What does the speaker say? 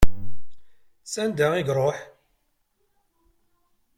S anda iruḥ?